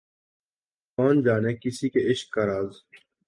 کون جانے کسی کے عشق کا راز